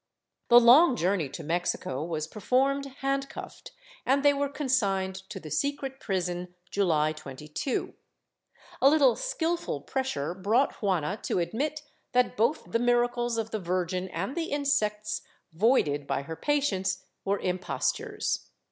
The long journey to Mexico was performed handcuffed and they were consigned to the secret prison, July 22. A little skilful pressure brought Juana to admit that both the miracles of the Virgin and the insects voided by her patients were impostures.